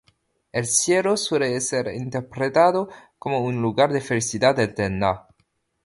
El Cielo suele ser interpretado como un lugar de felicidad eterna.